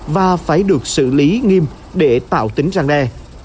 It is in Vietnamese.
và phải được xử lý nghiêm để tạo tính răn đe